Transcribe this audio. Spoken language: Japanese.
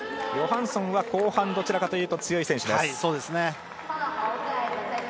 ヨハンソンは後半どちらかというと強い選手です。